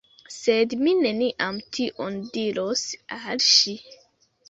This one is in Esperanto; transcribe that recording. Sed mi neniam tion diros al ŝi.